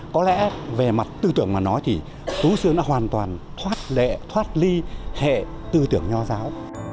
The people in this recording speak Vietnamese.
có lẽ về mặt tư tưởng mà nói thì tú sương đã hoàn toàn thoát lệ thoát ly hệ tư tưởng nho giáo